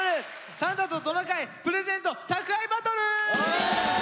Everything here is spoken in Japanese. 「サンタとトナカイプレゼント宅配バトル！」。